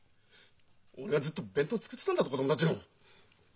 俺はずっと弁当を作ってたんだぞ子供たちの。